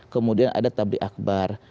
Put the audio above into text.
kemudian ada tabli akbar